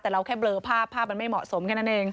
แต่เราแค่เลอภาพภาพมันไม่เหมาะสมแค่นั้นเอง